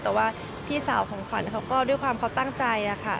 แต่ว่าพี่สาวของขวัญเขาก็ด้วยความเขาตั้งใจค่ะ